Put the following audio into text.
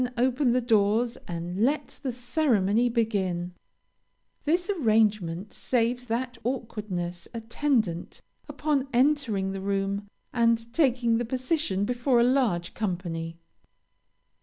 Then open the doors and let the ceremony begin. This arrangement saves that awkwardness attendant upon entering the room and taking the position before a large company.